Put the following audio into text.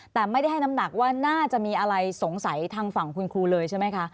แต่ไม่ได้ให้น้ำหนักว่าน่าจะมีอะไรสงสัยทางฝั่งคุณครูเลยใช่ไหมคะ